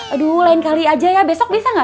aduh lain kali aja ya besok bisa nggak